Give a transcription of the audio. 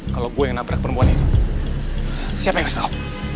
klo gua yang nabrak perempuan itu siapa yang ngga setau